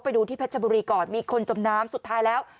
ไปดูที่เพชรบุรีก่อนมีคนจมน้ำสุดท้ายแล้ว